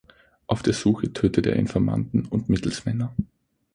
Auf der Suche tötet er Informanten und Mittelsmänner.